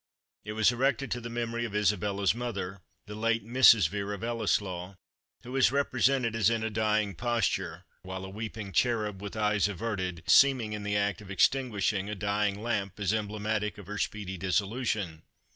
It was erected to the memory of Isabella's mother, the late Mrs. Vere of Ellieslaw, who was represented as in a dying posture, while a weeping cherub, with eyes averted, seemed in the act of extinguishing a dying lamp as emblematic of her speedy dissolution.